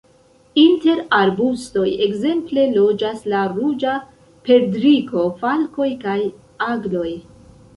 Inter arbustoj ekzemple loĝas la Ruĝa perdriko, falkoj kaj agloj.